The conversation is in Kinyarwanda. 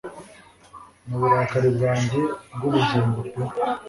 Muburakari bwanjye bwu bugingo pe